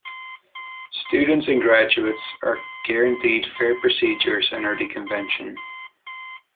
Students and graduates are guaranteed fair procedures under the Convention.